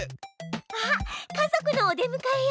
あっ家族のお出むかえよ！